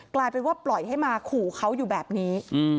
กลายเป็นว่าปล่อยให้มาขู่เขาอยู่แบบนี้